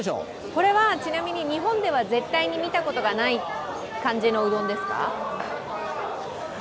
これはちなみに日本では絶対に見たことがない感じのうどんですか？